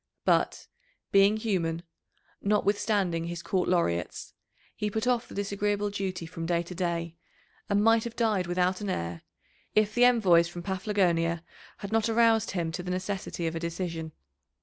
But, being human, notwithstanding his court laureates, he put off the disagreeable duty from day to day, and might have died without an heir, if the envoys from Paphlagonia had not aroused him to the necessity of a decision.